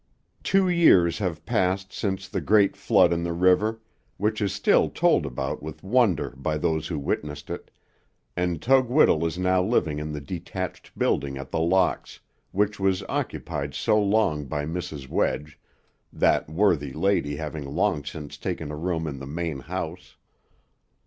Two years have passed since the great flood in the river, which is still told about with wonder by those who witnessed it, and Tug Whittle is now living in the detached building at The Locks, which was occupied so long by Mrs. Wedge, that worthy lady having long since taken a room in the main house.